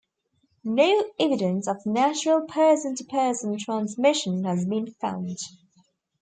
No evidence of natural person-to-person transmission has been found.